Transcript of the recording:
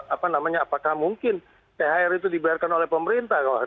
apa namanya apakah mungkin thr itu dibayarkan oleh pemerintah